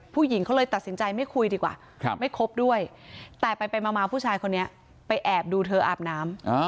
ผู้หญิงเขาเลยตัดสินใจไม่คุยดีกว่าไม่คบด้วยแต่ไปมาผู้ชายคนนี้ไปแอบดูเธออาบน้ำ